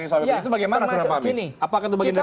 itu bagaimana pak mies apa itu bagaimana